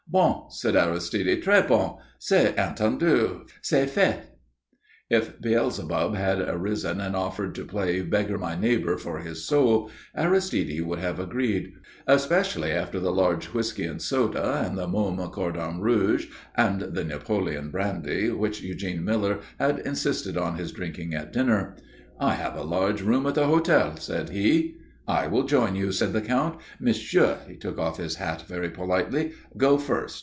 "Bon," said Aristide. "Trés bon. C'est entendu. C'est fait." If Beelzebub had arisen and offered to play beggar my neighbour for his soul, Aristide would have agreed; especially after the large whisky and soda and the Mumm Cordon Rouge and the Napoleon brandy which Eugene Miller had insisted on his drinking at dinner. "I have a large room at the hotel," said he. "I will join you," said the Count. "Monsieur," he took off his hat very politely. "Go first.